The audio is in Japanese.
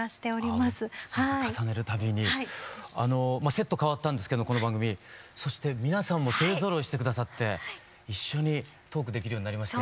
セット変わったんですけどこの番組そして皆さんも勢ぞろいして下さって一緒にトークできるようになりまして。